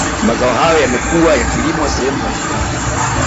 Mazao hayo yamekuwa yakilimwa sehemu za milimani